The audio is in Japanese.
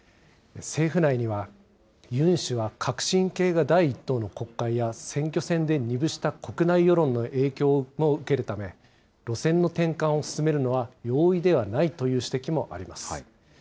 政府内には、ユン氏は革新系が第１党の国会や選挙戦で二分した国内世論の影響も受けるため、路線の転換を進めるのは容易ではないという指摘もあります。